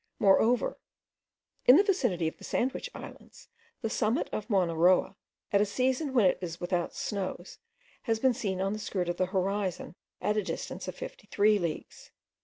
Moreover, in the vicinity of the Sandwich Islands, the summit of Mowna Roa, at a season when it was without snows, has been seen on the skirt of the horizon, at the distance of 53 leagues.